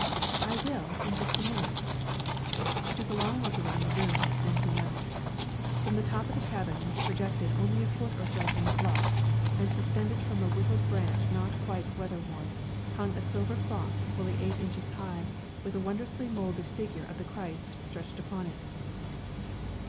"I will, in just a minute." She took a long look about the room, then came out. From the top of the cabin, which projected only a foot or so from the bluff, and suspended from a whittled branch not quite weather worn, hung a silver cross, fully eight inches high, with a wondrously moulded figure of the Christ stretched upon it.